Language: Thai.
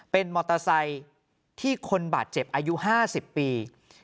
เป็นมอเตอร์ไซค์ที่คนบาดเจ็บอายุ๕๐ปี